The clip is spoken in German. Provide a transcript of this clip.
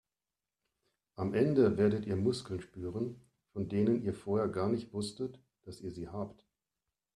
Am Ende werdet ihr Muskeln spüren, von denen ihr vorher gar nicht wusstet, dass ihr sie habt.